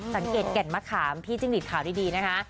สังเกตแก่นมะขามพี่จิ้งดิดข่าวดีนะคะ